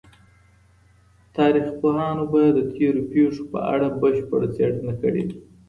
تاريخ پوهانو به د تېرو پېښو په اړه بشپړه څېړنه کړې وي.